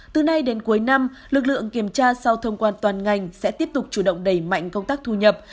từ nay đến cuối năm lực lượng kiểm tra sau thông quan toàn ngành sẽ tiếp tục chủ động đẩy mạnh công tác thu nhập